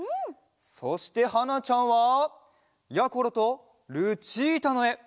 そしてはなちゃんはやころとルチータのえ！